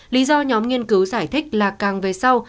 lý do nhóm nghiên cứu giải thích là càng về sau